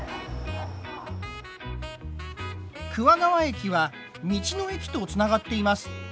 桑川駅は道の駅とつながっています。